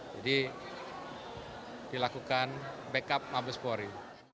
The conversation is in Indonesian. jadi dilakukan backup mabespori